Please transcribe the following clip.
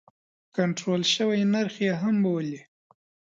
کنټرول شوی نرخ یې هم بولي.